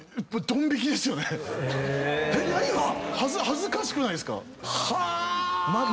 恥ずかしくないですか。